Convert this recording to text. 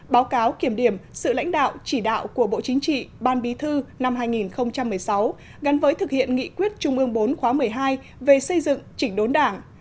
báo cáo kiểm điểm sự lãnh đạo chỉ đạo của bộ chính trị ban bí thư năm hai nghìn một mươi sáu gắn với thực hiện nghị quyết trung ương bốn khóa một mươi hai về xây dựng chỉnh đốn đảng